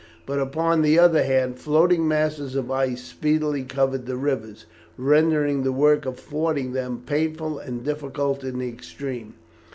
But, upon the other hand, floating masses of ice speedily covered the rivers, rendering the work of fording them painful and difficult in the extreme.